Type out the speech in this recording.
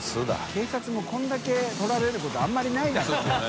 警察もこれだけ撮られること△鵑泙ないだろうね。